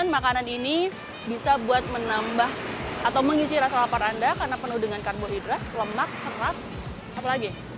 makanan ini bisa buat menambah atau mengisi rasa lapar anda karena penuh dengan karbohidrat lemak serat apalagi